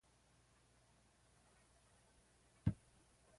The island is covered with scrub, grasses and some stands of Casuarina trees.